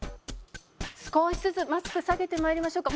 少しずつマスク下げてまいりましょうか。